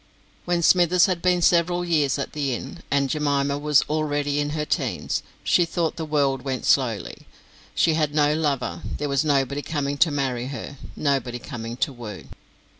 When Smithers had been several years at the inn, and Jemima was already in her teens, she thought the world went slowly; she had no lover, there was nobody coming to marry her, nobody coming to woo.